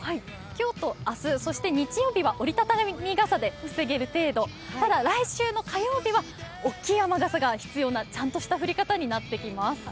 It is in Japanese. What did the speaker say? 今日と明日、日曜日は折り畳み傘で防げる程度、ただ、来週の火曜日は大きい雨傘が必要なちゃんとした降り方になってきます。